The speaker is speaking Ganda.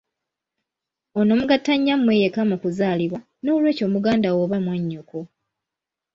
Ono mugatta nnyammwe yekka mu kuzaalibwa n'olweky'o mugandawo oba mwannyoko.